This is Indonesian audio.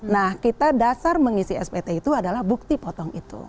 nah kita dasar mengisi spt itu adalah bukti potong itu